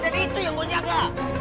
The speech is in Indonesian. dan itu yang gue jaga